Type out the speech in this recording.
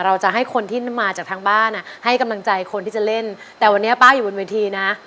เราจะให้คนที่มาจากทางบ้านอ่ะให้กำลังใจคนที่จะเล่นแต่วันนี้ป้าอยู่บนเวทีนะ